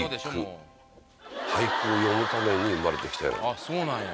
あっそうなんや。